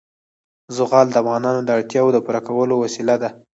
زغال د افغانانو د اړتیاوو د پوره کولو وسیله ده.